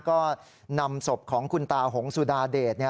ก็นำศพของคุณตาหงสุดาเดช